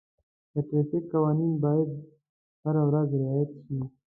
د ټرافیک قوانین باید هره ورځ رعایت شي.